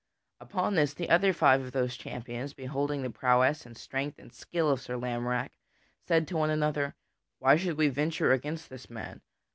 Upon this, the other five of those champions, beholding the prowess and strength and skill of Sir Lamorack said to one another: "Why should we venture against this man?